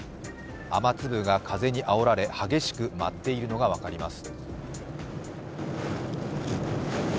雨粒が風にあおられ激しく待っているのが分かります。